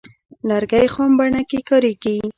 لرګی خام بڼه کې کاریږي.